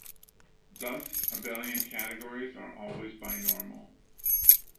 Thus, abelian categories are always binormal.